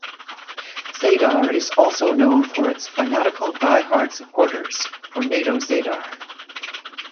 Zadar is also known for its fanatical die hard supporters, Tornado Zadar.